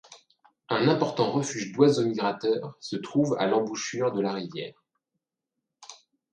Un important refuge d'oiseaux migrateurs se trouve à l'embouchure de la rivière.